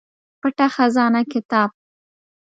پټه خزانه کتاب